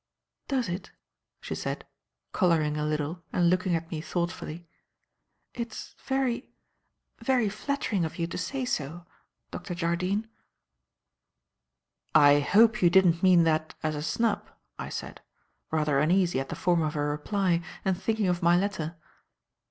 "Does it?" she said, colouring a little and looking at me thoughtfully. "It's very very flattering of you to say so, Dr. Jardine." "I hope you don't mean that as a snub," I said, rather uneasy at the form of her reply and thinking of my letter.